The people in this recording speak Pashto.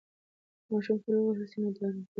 که ماشوم تل ووهل سي نو ډارن کیږي.